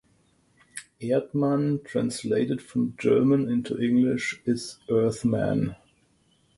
Erdmann translated from German into English is "earth man".